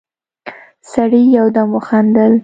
سړي يودم وخندل: